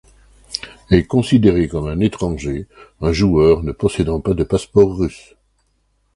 Est considéré comme étranger un joueur ne possédant pas de passeport russe.